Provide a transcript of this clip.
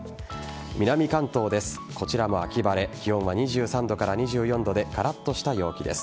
南関東です。